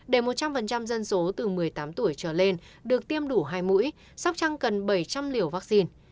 để một trăm linh dân số từ một mươi tám tuổi trở lên được tiêm đủ hai mũi sóc trăng cần bảy trăm linh liều vaccine